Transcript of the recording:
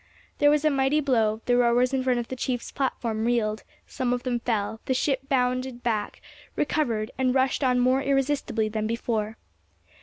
There was a mighty blow; the rowers in front of the chief's platform reeled, some of them fell; the ship bounded back, recovered, and rushed on more irresistibly than before.